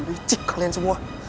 lucik kalian semua